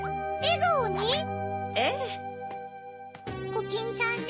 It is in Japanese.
コキンちゃんね